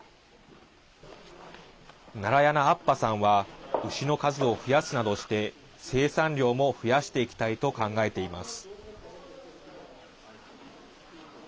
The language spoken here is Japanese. ナラヤナアッパさんは牛の数を増やすなどして生産量も増やしていきたいと考えています。